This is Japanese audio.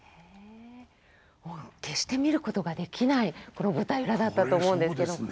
もう決して見ることができないこの舞台裏だったと思うんですけど。